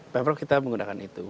pemprov kita menggunakan itu